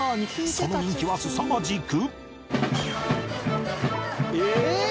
その人気はすさまじく